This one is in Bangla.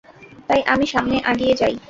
তাই, আমি সামনে আগিয়ে যাই।